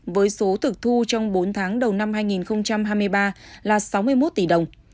với số thực thu trong bốn tháng đầu năm hai nghìn hai mươi ba là sáu mươi một tỷ đồng